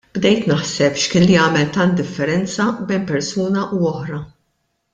Bdejt naħseb x'kien li jagħmel tant differenza bejn persuna u oħra.